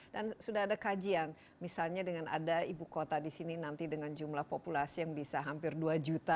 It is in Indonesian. dan sudah ada kajian misalnya dengan ada ibu kota di sini nanti dengan jumlah populasi yang bisa hampir dua juta